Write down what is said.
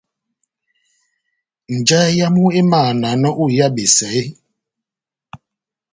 Njahɛ yamu emahananɔ ó iha besɛ eeeh ?